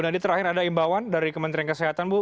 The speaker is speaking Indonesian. nah di terakhir ada imbauan dari kementerian kesehatan bu